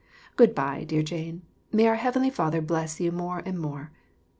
Good by, dear Jane; may our heavenly Father bless you more and more.